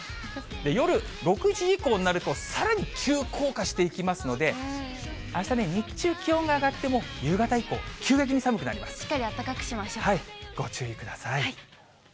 夜、６時以降になると、さらに急降下していきますので、あした、日中気温が上がっても夕方以降、しっかりあったかくしましょご注意ください。